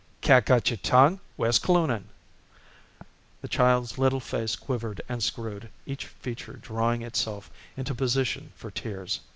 "Cat got your tongue? Where's Cloonan?" The child's little face quivered and screwed, each feature drawing itself into position for tears.